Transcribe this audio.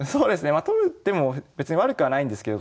まあ取る手も別に悪くはないんですけど。